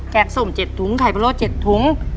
แกงส้ม๗ถุงใครโพโร๗ถุง